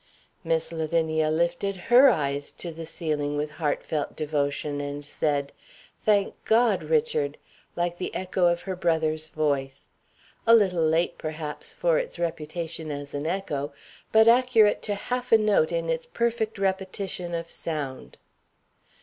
Miss Lavinia lifted her eyes to the ceiling with heartfelt devotion, and said, "Thank God, Richard!" like the echo of her brother's voice; a little late, perhaps, for its reputation as an echo, but accurate to half a note in its perfect repetition of sound.